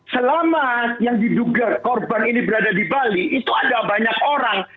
selama yang diduga korban ini berada di bali itu ada banyak orang